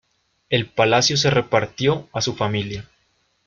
El palacio se repartió a su familia.